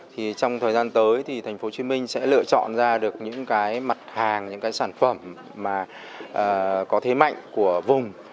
thì trong thời gian tới thì thành phố hồ chí minh sẽ lựa chọn ra được những cái mặt hàng những cái sản phẩm mà có thế mạnh của vùng